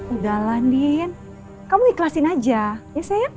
udahlah din kamu ikhlasin aja ya sayang